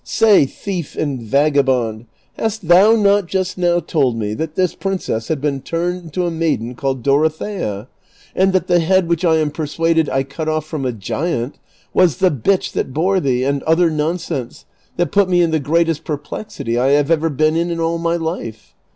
Say, thief and vagabond, liast thou not just now told me that this princess had been turned into a maiden called Dorothea, and that the head which I am persuaded I cut off from a giant was the bitch that bore thee, and other nonsense that put me in the greatest perplexity I have ever been in all my life